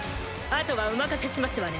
後はお任せしますわね